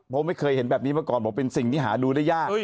เพราะไม่เคยเห็นแบบนี้มาก่อนบอกเป็นสิ่งที่หาดูได้ยาก